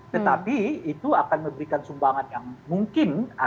tetapi itu akan memberikan sumbangan yang mungkin agak banyak